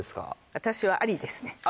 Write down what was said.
私はありですね。